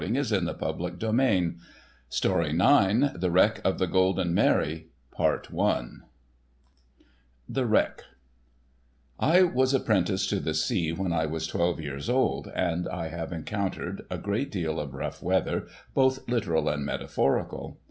THE WRECK OF THE GOLDEN MARY ['S56] THE WRECK OF THE GOLDEN MARY THE WRECK I WAS apprenticed to the Sea when I was twelve years old, and I have encountered a great deal of rough weather, both literal and metaphorical.